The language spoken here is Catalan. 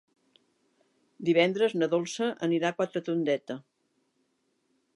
Divendres na Dolça anirà a Quatretondeta.